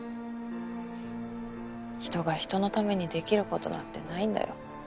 人が人のためにできることなんてないんだよ。